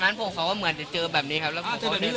ดูคะวก็จะต่อด้วยสามสิบสามสิบที่ไหมมาตามทางเนี่ย